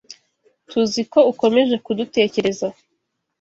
TUZI ko ukomeje kudutekereza.